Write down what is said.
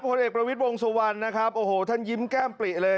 ผู้เด็กประวิศวงศ์สวรรค์นะครับโอ้โหท่านยิ้มแก้มปลีเลย